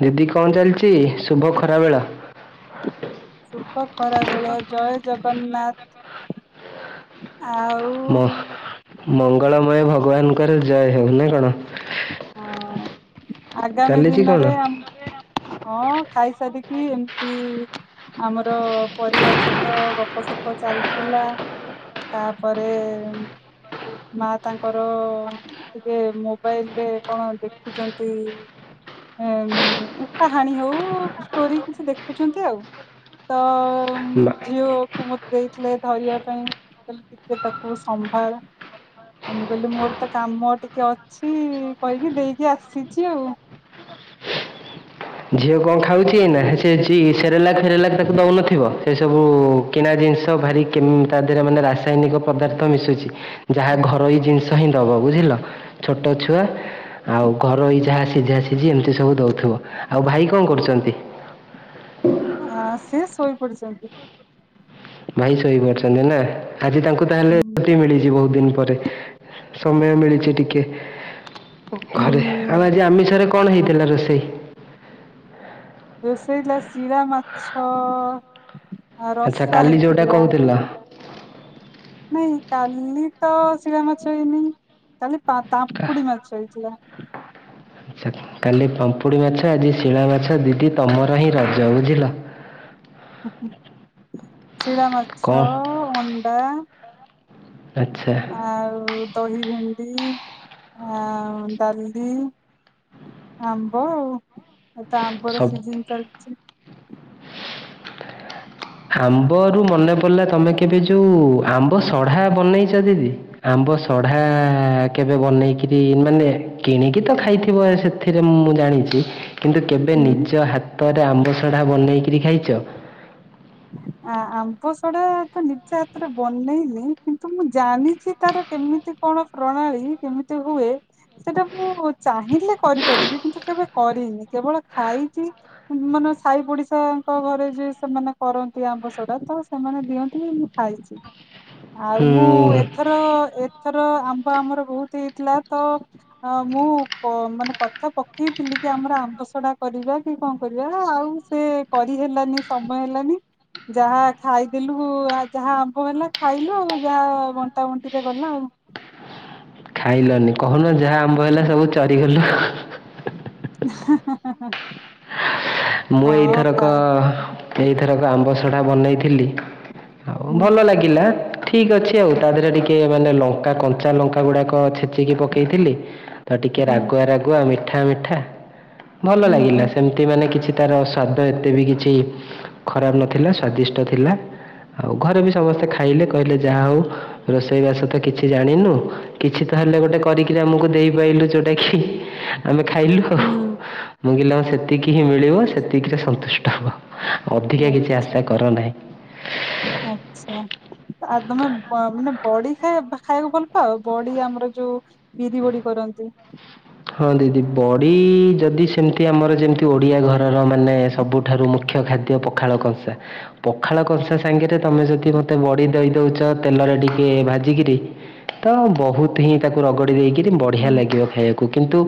ଦିଦି କଣ ଚାଲିଛି ଶୁଭ ଖରା ବେଳ।। ଶୁଭ ଖରାବେେଳ ଜୟ ଜଗନ୍ନାଥ ଆଉ। ମ ମଙ୍ଗଳମୟ ଭଗବାନଙ୍କର ଜୟ ହେଉ ନା କଣ? ହଁ ଆଗାମୀ ଚାଲିଛି କ'ଣ ଦିନରେ ଆ ହଁ। ଖାଇସାରିକି ଏମିତି ଆମର ପରିବାର ସହିତ ଗପସପ ଚାଲିଥିଲ ଲା ତାପରେ ମା ତାଙ୍କର ଟିକେ ମୋବାଇଲି ରେ କଣ ଦେଖୁଛନ୍ତି? ଏମ୍ କାହାଣୀ ହଉ ଷ୍ଟୋରି କିଛି ଦେଖୁଛନ୍ତି ଆଉ। ତ ଯିଓ କୁ ଦେଇଥିଲେ ଧରିବା ପାଇଁ ତାଲେ ଟିକେ ତାକୁ ସମ୍ଭାର। ଆଉ ମୁଁ କହିଲି ମୋର ତ କାମ ଟିକେ ଅଛି। କହିକି ଦେଇକି ଆସିଛି ଆଉ। ଝିଅ କଣ ଖାଉଛି ନା ସେ ସେଚି ସେରେଲାକ ଫେରଲାକ ତାକୁ ଦଉନଥିବ ସେ ସବୁ କିଣା ଜିନି ଭାରି କେ ତା ଦେହରେ ମାନେ ରାସାୟନିକ ପଦାର୍ଥ ମିଶୁଛି ଯାହା ଘରୋଇ ଜିନିଷ ହିଁ ଦବ ବୁଝି ଥିଲ ଛୋଟ ଛୁଆ ଆଉ ଘରୋଇ ଯାହା ସିଝା ସିଝି ଏମିତି ସବୁ ଦଉଥିବ। ଆଉ ଭାଇ କଣ କରୁଛନ୍ତି? ଆ ସେ ଶୋଇ ପଡିଛନ୍ତି। ଭାଇ ସୋଇପଡଛନ୍ତି ନା? ଆଜି ତାଙ୍କୁ ତାହେଲେ ହୁଁ। ଛୁଟି ମିଳିଛି ବୋହୁତ। ଦିନ ପରେ, ସମୟ ମିଳିଚି ଟିକେ। ଘରେ, ଆଉ ଆଜି ଆମିଷରେ କଣ ହେଇଥିଲା ରୋଷେଇ? ରୋଷେଇ ହେଇଥିଲା, ଶିଳା ମାଛ-ଅ ଆଚ୍ଛା ରସା କାଲି ଯୋଉଟା ହେଇଥିଲା। କହୁଥିଲ ନାଇଁ କାଲି ତ ଶିଳା ମାଛ ହେଇନେଇଁ, କାଲି କା- ପା-ପାମ୍ପୁଡି ମାଛ ହେଇଥିଲା। ଆଚ୍ଛା କାଲି ପାମ୍ପୁଡି ମାଛ, ଆଜି ଶିଳା ମାଛ। ଦିଦି ତମର ହିଁ ରଜ ବୁଝିଲ। ଶିଳା ମାଛ-ଅ, କ'ଣ ଅଣ୍ଡା-ଆ। ଆଚ୍ଛା ଆଉ ଦହି ଭେନ ଡି, ଆଉ ଡାଲି, ଆମ୍ବ ଆଉ। ଏତ ଆମ୍ବର ସବୁ ସିଜନ ଚାଲଚି। ଆମ୍ବ ରୁ ମନେ ପଇଲା, ତମେ କେବେ ଯୋଉ ଆମ୍ବ ସଢା ବନେଇଚ ଦିଦି? ଆମ ଆମ୍ବ ସଢା-ଆ-ଆ କେବେ ବନେଇକିରି, ମାନେ କିଣିକି ତ ଖାଇଥିବ ସେଥିରେ ମୁଁ ଜାଣିଚି, କିନ୍ତୁ କେବେ ହୁଁ। ନିଜ ହାତରେ ଆମ୍ବଷଢା ବନେଇକିରି ଖାଇଚ? ଆ-ଆମ୍ବ ସଢା ତ ନିଜ ହାତରେ ବନେଇନି, କିନ୍ତୁ ମୁଁ ଜାନିଛି ତାର କେମିତି କଣ ପ୍ରଣାଳୀ, କେମିତି ହୁଏ, ସେଇଟା ମୁଁ ଚାହିଁଲେ କରିପାରିବି। କିନ୍ତୁ କେବେ କରିନି, କେବଳ ଖାଇଚି। ମାନେ ସାଇ ପଡିଶାଙ୍କ ଘରେ ଯେ ସେମାନେ କରନ୍ତି ଆମ୍ବ ସଡ଼ା, ତ ସେମାନେ ଦିଅନ୍ତିୁ ମୁଁ ଖାଇଛି। ଆଉ ମୁଁ ହୁଁ ଏଥର ଏତ ଏଥର ଆମ୍ବ ଆମର ବୋହୁତ ହେଇଥିଲା ତ, ଅ ମୁଁ କ ମାନେ କଥା ପକେଇଥିଲି ଆମର ଆମ୍ବସଡା କରିବା କି କଅ କରିବା, ଆଉ ସେ କରିହେଲାନି ସମୟ ହେଲାନି ଯାହା ଖାଇଦେଲୁ ଆଉ ଯାହା ଆମ୍ବ ହେଲା ଖାଇଲୁ, ଆଉ ଯାହା ବଣ୍ଟା ବଣ୍ଟିରେ ଗଲା ଆଉ। [inaudible] ଖାଇଲନି, କହୁନ ଯାହା ଆମ୍ବ ହେଲା ସବୁ ଚରିଗଲ। ହୁଁ ହୁଁ ହୁଁ ହୁଁ। ହୁଁ ହୁଁ ହୁଁ ହୁଁ ହୁଁ। ମୁଁ ଏଇଥରକ, ଏଇଥରକ ଆମ୍ବ ଶଢା ବନେଇଥିଲି। ହଉ ହୁଁ ଭଲ ଲାଗିଲା। ଠିକ୍ ଅଛି ଆଉ, ତା ଦେହରେ ଟିକେ ମାନେ ଲଙ୍କା, କଞ୍ଚା ଲଙ୍କା ଗୁଡାକ ଛେଚି ଟିକେ ପକେଇଥିଲି, ତ ଟିକେ ହୁଁ ରାଗୁଆ ରାଗୁଆ ମିଠା ମିଠା ଭଲ ହୁଁ ଲାଗିଲା, ହୁଁ ସେମତି ମାନେ କିଛି ତାର ସ୍ୱାଦ ଏତେ ବି କିଛି ଖରାପ ନଥିଲା, ସ୍ଵାଦିଷ୍ଟ ଥିଲା। ଆଉ ଘରେ ବି ସମସ୍ତେ ଖାଇଲେ, କହିଲେ ଯାହା ହଉ ରୋଷେଇବାସ ତ କିଛି ଜାଣିନୁ, କିଛି ତ ହେଲେ ଗୋଟେ କରିକିରି ଆମକୁ ଦେଇପାଇଲୁ, ଯୋଉଟା କି ହି ଆମେ ଖାଇଲୁ ଆଉ ହୁଁ ହୁଁ, ମୁ କଇଲି ଆଉ ସେତିକି ହିଁ ମିଳିବ, ସେତିକିରେ ସନ୍ତୁଷ୍ଟ ହୁଅ ହଁ ହଁ। ଅଧିକା କିଛି ଆଶା କରନାହିଁ। ଆଛା। ଆଉ ତମେ ମାନେ ବଡି ଖାଇ ଖାଇବାକୁ ଭଲ ପାଅ? ବଡି ଆମର ଯୋଉ ବିରି ବଡି କର [unintelligible] ହଁ ଦିଦି ବଡି-ଇ-ଇ, ଯଦି ସେମତି ଆମର ଯେମତି ଓଡିଆ ଘରର ମାନେ, ସବୁଠାରୁ ମୁଁ ମୁଖ୍ୟ ଖାଦ୍ୟ ପଖାଳ କଂସା, ପଖାଳ କଂସା ସାଙ୍ଗରେ ତମେ ଯଦି ମତେ ବଢି ଦେଇ ଦେଉଛ, ତେଲରେ ଟିକେ ଭାଜିକିରି, ତ ବହୁତ ହିଁ ତାକୁ ରଗଡ଼ି ଦେଇକି କି ବଢିଆ ହୁଁ ଲାଗିବ ଖାଇବାକୁ, କିନ୍ତୁ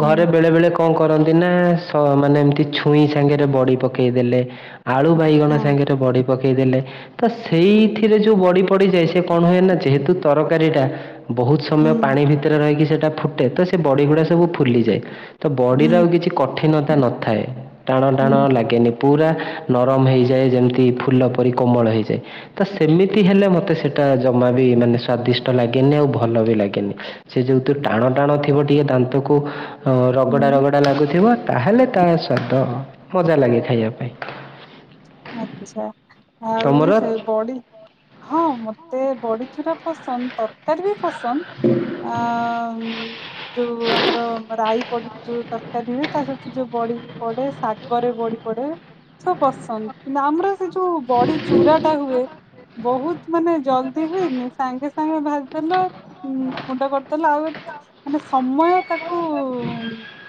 ହୁଁ ଘରେ ବେଳେ ବେଳେ କ କଅ କରନ୍ତି ନା, ସ ମାନେ ଏମତି ଛୁଇଁ ସାଙ୍ଗରେ ବଡି ପକେଇ ଦେଲେ ଆଳୁ ବାଇଗଣ ହଁ ସାଙ୍ଗରେ ବଡି ପକେଇ ଦେଲେ ତ ହଁ ସେଇଥିରେ ଯୋଉ ବଡି ପଡିଯାଏ, ସେ କଣ ହୁଏ ନା, ଯେହେତୁ ତରକାରୀ ଟା ବୋହୁତ ସମୟ ପାଣି ଭିତରେ ରହିକି ସେଟା ଫୁଟେ, ତ ସେ ବଡି ଗୁଡା ସବୁ ଫୁଲିଯାଏ। ତ ବଡ଼ିର ଆଉ ହୁଁ କିଛି କଠିନତା ନଥାଏ, ଟାଣ ଟାଣ ହୁଁ ଲାଗେନି ପୁରା ନରମ ହେଇଯାଏ, ଯେମିତି ଫୁଲ ପରି କୋମଳ ହେଇଯାଏ। ତ ସେମିତି ହେଲେ ମୋତେ ସେଟା ସେଟା ଜମା ବି ମାନେ, ସ୍ଵାଦିଷ୍ଟ ଲାଗେନି, ଆଉ ଭଲ ବି ଲାଗେନି। ସେ ଯୋଉତ ଟାଣ ଟାଣ ଥି ଥିବ ଟିକେ ଦାନ୍ତକୁ ରଗଡ଼ା ହୁଁ ରଗଡ଼ା ଲାଗୁଥିବ ତାହେଲେ ତା ସ୍ୱାଦ ହଁ ମଜା ଲାଗେ ଖାଇବା ପାଇଁ। ଆଚ୍ଛା ଆଉ ବି ତମର ସେ ବଡି ହଁ ମତେ ବଡି ଚୁରା ପସନ୍ଦ, ତରକାରୀ ବି ପସନ୍ଦ। ଆ ଯୋଉ ଆମର ରାଇ ପଡିକି ଯୋଉ ତରକାରୀ ହୁଏ ତା ସହିତ ଯୋଉ ବଡି ପଡେ, ଶାଗରେ ବଡି ପଡେ ସବୁ ପସନ୍ଦ। କିନ୍ତୁ ଆମର ସେ ଯୋଉ ବଡି ଚୁରା ଟା ହୁଏ ବହୁତ ମାନେ ଜଲଦି ହୁଏନି ସାଙ୍ଗେ ସାଙ୍ଗେ ଭାଜିଦେଲ, ଉଁ ଗୁଣ୍ଡ କରିଦେଲ ଆଉ ଏ ମାନେ ସମୟ ତାକୁ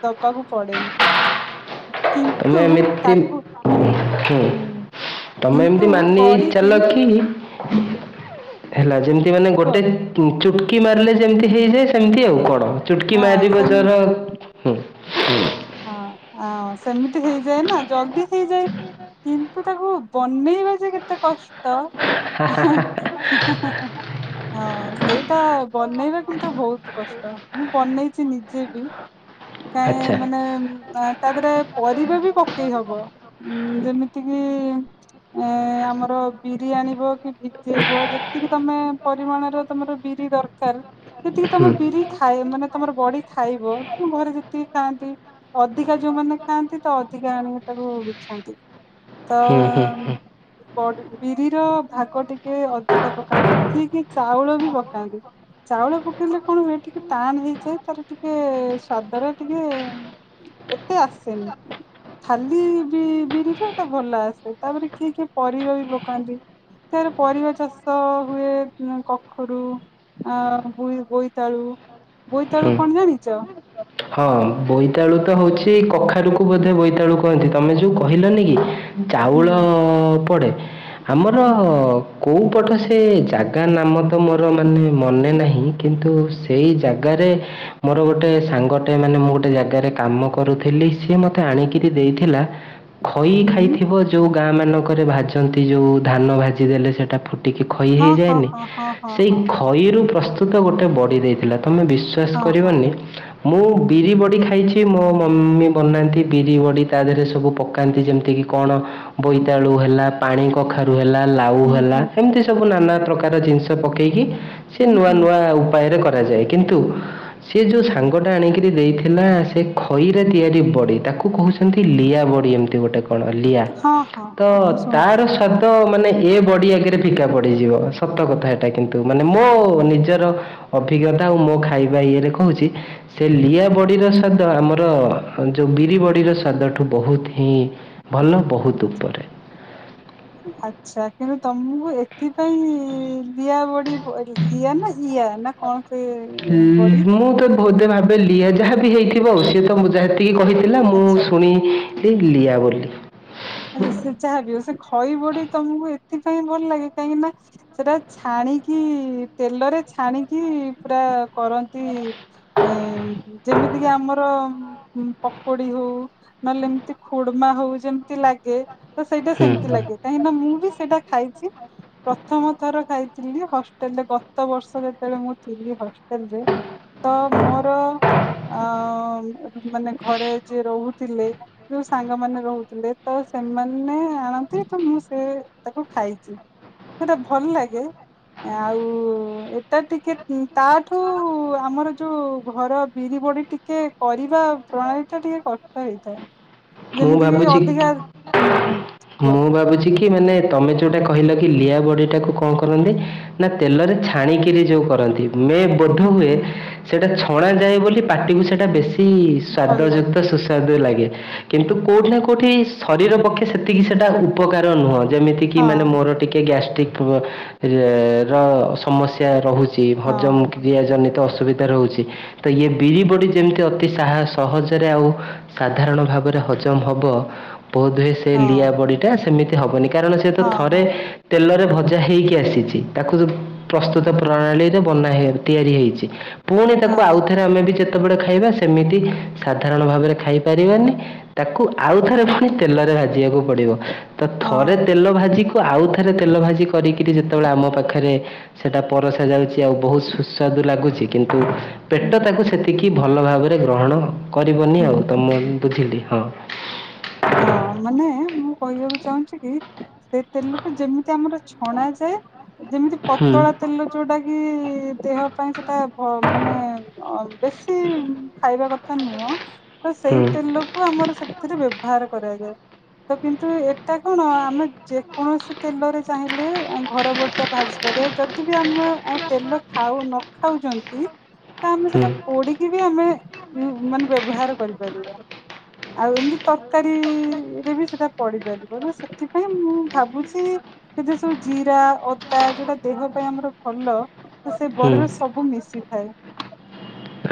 ଦବାକୁ ପଡେନି। କିନ୍ତୁ ମାନେ ଏମିତି ତାକୁ ହୁଁ ତମେ କିନ୍ତୁ ଏମତି ମାନି ହେଇ ବଢିକି ଚାଲ କି? କୁହ ହେଲା ଯେମତି ମାନେ ଗୋଟେ ଚୁଟକି ମାରିଲେ ଯେମିତି ହେଇଯାଏ ସେମିତି ଆଉ କଣ। ଚୁଟକି ହଁ ମାରିବା ସେମ ଜର ଉଁ ହଁ ଆ ସେମିତି ହେଇଯାଏ ନା ଜଲଦି ହେଇଯାଏ। କିନ୍ତୁ ତାକୁ ବନେଇବା ଯେ କେତେ କଷ୍ ଷ୍ଟ ହଁ ହେଁ ହେଁ ହେଁ ହେଁ ହଁ ସେଇ ତା ବନେଇବା କିନ୍ତୁ ବହୁତ କଷ୍ଟ। ମୁଁ ବନେଇଚି ନିଜେ ବି, କାଇଁ ଆଚ୍ଛା ମାନେ ତା ତା ଧେରେ ପରିବା ବି ପକେଇ ହବ। ଉମ୍ ଯେମିତି କିି ଏ ଆମର ବିରି ଆଣିବ କି ଭିଜେଇବ, ଯେତିକି ତମେ ପରିମାଣରେ ତମର ବିରି ଦରକାର ଯେତିକି ତମେ ହୁଁ ବିରି ଖାଇ ମାନେ ତମର ବଡି ଖାଇବ, ତମ ଘରେ ଯେତିକି ଖାଆନ୍ତି। ଅଧିକା ଯୋଉମାନେ ଖାଆନ୍ତି ତ ଅଧିକା ଆଣିକି ତାକୁ ବିଛାନ୍ତି। ତ ହୁଁ ହୁଁ ହୁଁ ବଡ଼ି ବିରିର ଭାଗ ଟିକେ ଅଧିକା ପକାନ୍ତି। କିଏ କିଏ ଚାଉଳ ବି ପକାନ୍ତି। ଚାଉଳ ପକେଇଲେ କଣ ହୁଏ, ଟିକେ ଟାଣ ହେଇଯାଏ ତାର ଟିକେ ସ୍ଵାଦର ଟିକେ ଏତେ ଆସେନି। ଖାଲି ବି ବିରିରେ ସେଇଟା ଭଲ ଆସେ। ତାପରେ କିଏ କିଏ ପରିବା ବି ପକାନ୍ତି। ସେ ପରିବା ଚାଷ ହୁଏ। ଉଁ କଖରୁ ଆ ବୋଇ ବୋଇତାଳୁ ବୋଇତାଳୁ ହୁଁ। କଣ ଜାଣିଚ? ହଁ ବୋଇତାଳୁ ତ ହଉଛି, କଖାରୁକୁ ବୋଧେ ବୋଇତାଳୁ କହନ୍ତି। ତମେ ଯୋଉ କହିଲନି କି ହୁଁ ଚାଉଳ ପଡ଼େ। ଆମର ହୁଁ କୋଉ ପଟ ସେ ଜାଗା ନାମ ତ ମୋର ମାନେ ମନେ ନାହିଁ, କିନ୍ତୁ ସେଇ ଜାଗା ରେ ମୋର ଗୋଟେ ସାଙ୍ଗ ଙ୍ଗଟେ ମାନେ ମୁଁ ଗୋଟେ ଜାଗାରେ କାମ କରୁଥିଲି ସିଏ ମତେ ଆଣିକିରି ଦେଇଥିଲା ଖଇ ହୁଁ ଖାଇଥିବ, ଯୋଉ ଗାଁ ମାନଙ୍କରେ ଭାଜନ୍ତି ଯୋଉ ଧାନ ଭାଜି ଦେଲେ ସେଇଟା ଫୁ ଟିକି ଖଇ ହଁ ହଁ ହେଇଯାଏନି। ହଁ ହଁ ସେଇ ହଁ ଖଇରୁ ପ୍ରସ୍ତୁତ ଗୋଟେ ବଡି ଦେଇଥିଲା। ତମେ ବିଶ୍ୱାସ ହଁ ହଁ କରିବନି ମୁଁ ବିରି ବଡ଼ି ଖାଇଛି, ମୋ ମମି ବନାନ୍ତି ବିରି ବଡ଼ି ତା ଦେହରେ ସବୁ ପକାନ୍ତି ଯେମିତିକି କଣ ବୋଇତାଳୁ ହେଲା, ପାଣି କଖାରୁ ହେଲା ଲାଉ ହଁ ହୁଁ ହେଲା, ହୁଁ ଏମିତି ସବୁ ନାନା ପ୍ରକାର ଜିନିଷ ପକେଇକି ସିଏ ହୁଁ ନୂଆ ହୁଁ ନୂଆ ଉପାୟରେ କର କରାଯାଏ। କିନ୍ତୁ ସେ ଯୋଉ ସାଙ୍ଗ ଟା ଆଣିକିରି ଦେଇଥିଲା, ସେ ଖଇରେ ତିଆରି ବଡ଼ି ତାକୁ କହୁଛନ୍ତି ଲିଆ ବଡ଼ି ଏମିତି ଗୋଟେ କଣ ଲିଆ। ହଁ ହଁ ତ ହଁ ମୁଁ ତାର ଶୁଣିଛି। ସ୍ୱାଦ ମାନେ ଏ ବଡି ଆଗରେ ଫିକା ପଡିଯିବ। ସତ କଥା ଏଟା କିନ୍ତୁ ମାନେ ମୋ ନିଜର ଅଭି ଅଭିଜ୍ଞତା ଆଉ ମୋ ଖାଇବା ଇଏରେ କହୁଛି ସେ ଲିଆ ବଡ଼ିର ସ୍ୱାଦ, ଆମର ଯୋଉ ବିରି ବଡ଼ିର ସ୍ୱାଦଠୁ ବହୁତ ହିଁ ଭଲ ବହୁତ ଉପରେ। ଆଚ୍ଛା କିନ୍ତୁ ତମକୁ ଏଥିପାଇଁ ଦିଆ ବଡିି ଆରେ ଇଆ ନା ଇ ଆ ନା କଣ? ସେ ବଡି ମୁଁ ତ ବହୁତୁ ଭାବେ ଲିଆ ଯାହାବି ହେଇଥିବ ଆଉ। ସିଏ ତ ଯାହା ଟିକେ କହିଥିଲା ମୁଁ ଆଚ୍ଛା ଶୁଣିଲି ଲିଆ ବୋଲି। ଆଚ୍ଛା ସେ ଯାହାବି ହଉ, ସେ ଖଇ ବଡ଼ି ତମକୁ ଏ ସେଥିପାଇଁ ଭଲ ଲାଗେ କାହିଁକି ନା ସେଟା ଛାଣିକି ତେଲରେ ଛାଣିକି ପୁରା ଆ କରନ୍ତି। ଉଁ ଯେମିତି କିି ଆମର ପକୋଡି ହୋଉ ନହେଲେ ଏମତି ଖୁଡମା ହଉ ଯେମତି ଲାଗେ ତ ସେଇଟା ହୁଁ ସେମତି ହୁଁ। ଲାଗେ କାହିଁକି ନା ମୁଁ ବି ସେଇଟା ଖାଇଚି। ପ୍ରଥମ ଥର ଖାଇଥିଲି ହଷ୍ଟେଲରେ ଗତ ବର୍ଷ ଯେତେବେଳେ ମୁଁ ଥିଲି ହଷ୍ଟେଲରେ। ତ ମୋର ଅ ମାନେ ଘରେ ଯିଏ ରହୁଥିଲେ ସାଙ୍ଗ ମାନ ରହୁଥିଲେ ତ ସେମାନେ ଆଣନ୍ତି ତ ମୁଁ ସେ ତାକୁ ଖାଇଚି। ସେଇଟା ଭଲ ଲାଗେ। ଆଉ ଏଟା ଟିକେ ତାଠୁ ଆମର ଯୋଉ ଘର ବିରି ବଡି ଟିକେ କରିବା ପ୍ରଣାଳୀ ଟା ଟିକେ କଷ୍ଟ ହେଇଥାଏ ମୁଁ ଯେମିତି କି ଭାବୁଛି ଅଧିକା ହୁଁ ହୁଁ କୁହ ମୁଁ ଭାବୁଛି କି ମାନେ ତମେ ଯୋଉଟା କହିଲ କି ଲିଆ ବଡ଼ିଟାକୁ କଣ କରନ୍ତି ନା ତେଲରେ ଛାଣିକିରି ଯୋଉଁ କରନ୍ତି ମେ ବୋଧ ହୁଁ ହୁଏ। ସେଟା ଛଣା ଯାଏ ବୋଲି ପାଟିକୁ ସେଇଟା ବେଶୀ କି ଭଲ ସ୍ଵାଦଯୁକ୍ତ ଲାଗେ ସୁସ୍ୱାଦ ଲାଗେ କିନ୍ତୁ କୋଉଠି ନା କୋଉଠି ଶରୀର ପକ୍ଷେ ସେତିକି ସେଇଟା ଉପକାର ନୁହଁ ଯେମିତିକି ମାନେ ହଁ ମୋର ଟିକେ ଗ୍ୟାଷ୍ଟ ଟିକ ପୁଅ ଇଏର ସମସ୍ୟା ରୋହୁଚି ହଜମ ହଁ କ୍ରିୟା ଜନିତ ଅସୁବିଧା ରହୁଛି। ତ ଇଏ ବିରି ବଡ଼ି ଯେମିତି ଅତି ସହଜରେ ଆଉ ସାଧାରଣ ଭାବରେ ହଜମ ହବ ବୋଧ ହୁଏ ସେ ହଁ ଲିଆ ବଡି ଟା ସେମିତି ହବନି କି କାରଣ ସେ ତ ହଁ ଥରେ ହଁ ତେଲରେ ଭଜା ହେଇକି ଆସିଛି ତାକୁଁ ପ୍ରସ୍ତୁତ ହଁ ପ୍ରଣାଳୀରେ ବନା ହେ ତିଆରି ହେଇଛି ପୁଣି ତାକୁ ହଁ ଆଉଥରେ ଆମେ ବି ଯେତେବେଳେ ଖାଇବା ସେମିତି ସାଧାରଣ ଭାବରେ ଖାଇପାରିବାନି ତାକୁ ଆଉଥରେ ପୁଣି ତେଲରେ ଭାଜିବାକୁ ପଡ଼ିବ ତ ଥରେ ହଁ ତେଲ ଭାଜି ଆଉ ଥରେ ତେଲ ଭାଜି କରିକିରି ଯେତେବେଳେ ଆମ ପାଖରେ ସେଟା ପରସା ଯାଉଛି ଆଉ ବହୁତ ସୁସ୍ୱା ଲାଗୁଚି କି ପେଟ ହୁଁ ତାକୁ ସେତିକି ଭଲ ଭାବରେ ଗ୍ରହଣ କରିବନି ଆଉ ହୁଁ ତ ମୁଁ ବୁଝିଲି। ହଁ ହଁ ମାନେ ମୁଁ କହିବାକୁ ଚାହୁଁଚି କି ସେ ତେଲକୁ ଯେମିତି ଆମର ଛଣା ଯାଏ ଯେମିତି ହୁଁ ପତଳା ତେଲ ଯୋଉଟା କି ଦେହ ପାଇଁ ସେଟା ଭ ମାନେ ବେଶୀ ଖାଇବା କଥା ନୁହଁ। ତ ସେଇ ହୁଁ ତେଲକୁ ଆମର ସେଥିରେ ବ୍ୟବହାର କରାଯାଏ। ତ କିନ୍ତୁ ଏଟା କଣ ଆମେ ଯେକୌଣସି ତେଲରେ ଚାହିଁଲେ ଘର ବଡି ଭାଜିବ ଯଦି ଆମ ତେଲ ଖାଉ ନଖାଉଚନ୍ତି ତ ଆମେ ହୁଁ ସେଟା ପୋଡିକି କି ଆମେ ମାନେ ବ୍ୟବହାର କରିପାରିବା ଆଉ ଏମତି ତ ରକାରୀରେ ବି ସେଟା ପଡିପାରିବ ସେଥିପାଇଁ ମୁଁ ଭାବୁଛି ଏ ଯେ ସବୁ ଜି ରା ଅଦା ଯୋଉଟା ଦେହ ପାଇଁ ଆମର ଭଲ। ସେ ହୁଁ ବରିରେ ସବୁ ମିଶିଥାଏ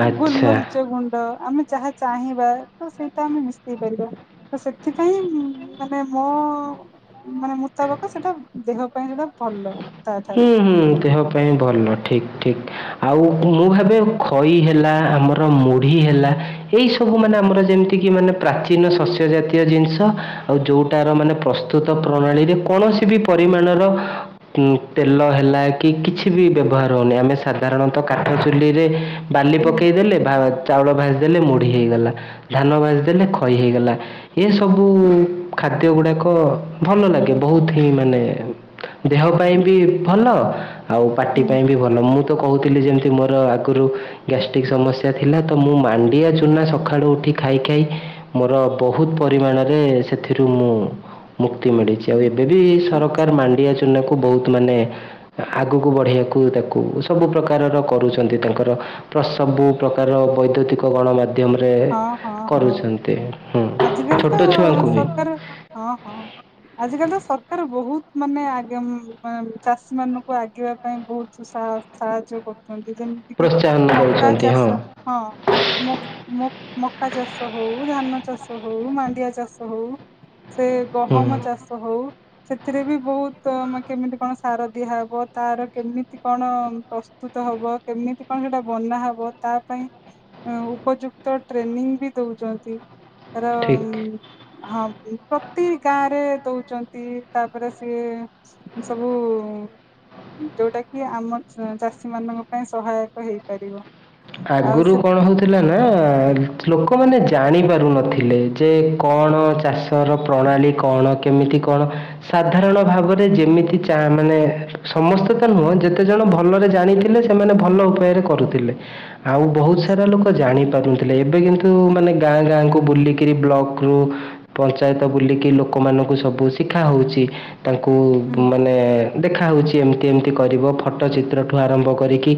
ଆଚ୍ଛା ଗୋଲମରିଚ ଗୁଣ୍ଡ ଆମେ ଯାହା ଚାହିଁବା ତ ସେଇଟା ଆମେ ମିଶେଇ ପାରିବା ତ ସେଥିପାଇଁ ମାନେ ମୋ ମାନେ ମୁତାବକ ସେଟା ଦେହ ପାଇଁ ସେଟା ଭଲ। ତା ହୁଁ ଠାରୁ ହୁଁ ଦେହ ପାଇଁ ଭଲ ଠିକ ଠିକ ଆଉ ମୁଁ ଭାବେ ଖଇ ହେଲା ଆମର ମୁଢି ହେଲା ଏଇ ସବୁ ମାନେ ଆମର ଯେମିତି କିି ମାନେ ପ୍ରାଚୀନ ଶସ୍ୟ ଜାତୀୟ ଜିନିଷ ଆଉ ଯୋଉଟାର ମାନେ ପ୍ରସ୍ତୁତ ପ୍ରଣାଳୀରେ କୌଣସି ବି ପରି ପରିମାଣର ତେଲ ହେଲା କି କିଛି ବି ବ୍ୟବହାର ହୋଉନି ଆମେ ସାଧାରଣତଃ କାଠ ଚୁଲିରେ ବାଲି ହୁଁ ପକାଇଦେଲେ ଭା ଚାଉଳ ଭାଜି ଦେଲେ ମୁୋଢି ହେଇଗଲା ଧାନ ଭାଜି ଦେେଲେ ଖଇ ହେଇଗଲା ଏଇ ସବୁ ଖାଦ୍ୟ ଗୁଡାକ ଭଲ ଲାଗେ ବହୁତ ହିଁ ମାନେ ଦେହ ପାଇଁ ବି ଭଲ ଆଉ ପାର୍ଟି ହୁଁ ପାଇଁ ବି ଭଲ ମୁଁ ତ କହୁଥିଲି ଯେମିତି ମୋର ଆଗରୁ ଗ୍ୟାଷ୍ଟ୍ରିକ୍ ସମସ୍ୟା ଥିଲା ତ ମୁଁ ମାଣ୍ଡିଆ ଚୁନା ସକାଳୁ ଉଠି ଖାଇ ଖାଇ ମୋର ବହୁତ ପରିମାଣରେ ସେଥିରୁ ମୁଁ ମୁକ୍ତ ତି ମିଳିଚି ଆଉ ହୁଁ। ଏବେ ବି ସରକାର ମାଣ୍ଡିଆ ଚୁନା କୁ ବହୁତ ମାନେ ଆଗକୁ ବଢିବାକୁ ତାକୁ ସବୁ ପ୍ରକାରର କରୁଚନ୍ତି ତାଙ୍କର ପ୍ରସ ସବୁ ପ୍ରକାରର ବୈଦ୍ୟୁତିକ ଗଣମାଧ୍ୟମ ହଁ ହଁ ହଁ। ହୁଁ ଆଜିିକାଲ ଛୋଟ ତ ଛୁଆଙ୍କୁ ବି ସରକାର ହଁ ହଁ ଆଜିିକାଲି ତ ସରକାର ବହୁତ ମାନେ ଆଗେ ଏମ୍ ଚାଷୀ ମାନଙ୍କୁ ଆଗେଇବା ପାଇଁ ବହୁତ ଅ ସାହାଯ୍ୟ କରୁ ଯେମିତି କି ପ୍ରୋତ୍ସାହନ ମକା ଦେଉଛନ୍ତି ହଁ ଚାଷ ହଁ ମ ମ ମକା ଚାଷ ହଉ ଧାନ ଚାଷ ହଉ ମାଣ୍ଡିଆ ଚାଷ ହଉ ସେ ହୁଁ ଗହମ ଚାଷ ହଉ ସେଥିରେ ବି ବହୁତ ମେ କେମିତି କଣ ସାର ଦିଆହବ ତାର କେମିତି କଣ ପ ପ୍ରସ୍ତୁତ ହବ କେମିତି କଣ ସେଟା ବନା ହବ ତା ପାଇଁ ଅ ଉପଯୁକ୍ତ ତ ଟ୍ରେନିଂ ବି ଦଉଛନ୍ତି। ତାର ଉ ଠିକ୍ ହଁ ପ୍ରତି ଗାଁରେ ଦଉଛନ୍ତି। ତି ତାପରେ ସିଏ ସବୁ ଯୋଉଟା କି ଆମ ଚା ଚାଷୀ ମାନଙ୍କ ପାଇଁ ସହାୟକ ହେଇପାରିବ। ଆଉ ଆଗରୁ ସେ କଣ ହଉଥିଲା ନା ଲୋ ଲୋ ଲୋକମାନେ ଜାଣିପାରୁନଥିଲେ ଯେ କଣ ଚାଷର ପ୍ରଣାଳୀ କଣ କେମିତି କଣ ସାଧାରଣ ଭାବରେ ଯେମିତି ଚା ମାନେ ସମସ୍ତେ ତ ନୁହଁ ଯେତେ ଜଣ ଭଲରେ ଜାଣିଥିଲେ ସେମାନେ ଭଲ ଉପାୟରେ କରୁଥିଲେ ଆଉ ବହୁତ ସାରା ଆଛା ଲୋକ ଜାଣି କରୁନଥିଲେ ଏବେ କିନ୍ତୁ ମାନେ ଗାଁ ଗାଁକୁ ବୁଲିକିରି ବ୍ଲକରୁ ପଞ୍ଚାୟତ ବୁଲିକି ଲୋ ଲୋକମାନଙ୍କୁ ସବୁ ଶିଖା ହେଉଛି ତାଙ୍କୁ ଉ ହୁଁ। ମାନେ ଦେଖା ହଉଛି ଏମିତି ଏମିତି କରିବ ଫଟୋ ଚିତ୍ରଠୁ ଆରମ୍ଭ କରିକି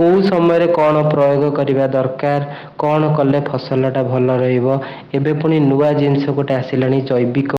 କୋଉ ସମୟରେ କଣ ପ୍ରୟୋଗ କରିବା ଦରକାର କଣ କଲେ ଫସଲଟା ଭଲ ରହିବ ଏବେ ପୁଣି ନୂଆ ଜିନି ନିଷ ଗୋଟେ ଆସିଲାଣି ଜୈବିକ